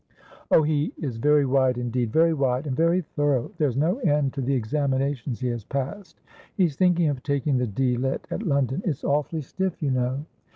"Oh, he is very wide, indeed. Very wide, and very thorough. There's no end to the examinations he has passed. He's thinking of taking the D. Litt at London; it's awfully stiff, you know."